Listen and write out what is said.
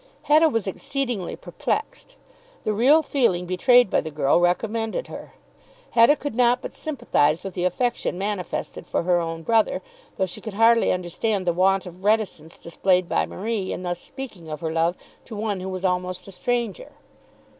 Hetta was exceedingly perplexed. The real feeling betrayed by the girl recommended her. Hetta could not but sympathize with the affection manifested for her own brother, though she could hardly understand the want of reticence displayed by Marie in thus speaking of her love to one who was almost a stranger.